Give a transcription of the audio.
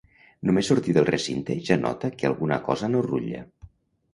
Només sortir del recinte ja nota que alguna cosa no rutlla.